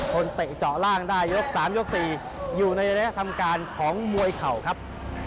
เตะเจาะล่างได้ยก๓ยก๔อยู่ในระยะทำการของมวยเข่าครับ